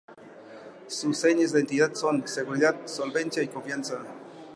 Sus señas de identidad son: seguridad, solvencia y confianza.